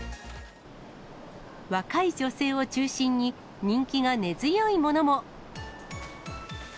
若い女性を中心に人気が根強いものも。